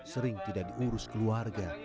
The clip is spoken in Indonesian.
sering tidak diurus keluarga